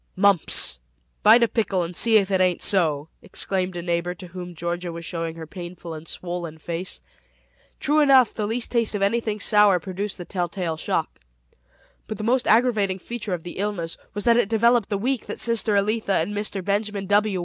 "Mumps. Bite a pickle and see if it ain't so!" exclaimed a neighbor to whom Georgia was showing her painful and swollen face. True enough, the least taste of anything sour produced the tell tale shock. But the most aggravating feature of the illness was that it developed the week that sister Elitha and Mr. Benjamin W.